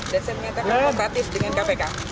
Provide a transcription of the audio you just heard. dan saya menyatakan kooperatif dengan kpk